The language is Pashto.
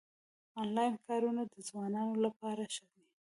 انلاین کارونه د ځوانانو لپاره ښه دي